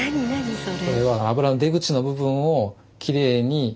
それ。